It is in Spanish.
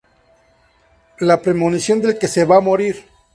La premonición del que se va a morir.